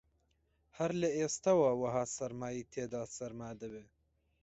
هەر لە ئێستاوە وەها سەرمای تێدا سەرما دەبێ